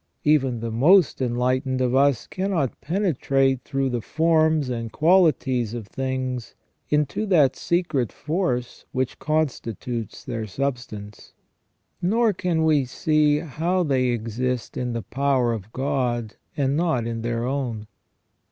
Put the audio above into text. Even the most enlightened of us cannot penetrate through the forms and qualities of things into that secret force which con stitutes their substance. Nor can we see how they exist in the power of God, and not in their own.